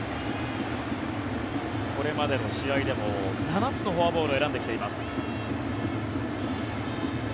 これまでの試合でも７つのフォアボールを選んできています。